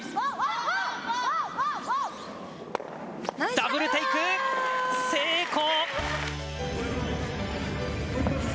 ダブルテイク成功！